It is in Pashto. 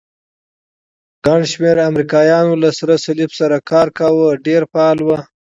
ګڼ شمېر امریکایانو له سرې صلیب سره کار کاوه، ډېر فعال وو.